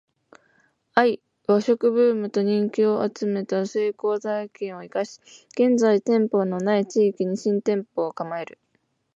ⅰ 和食ブームと人気を集めた成功体験を活かし現在店舗の無い地域に新店舗を構える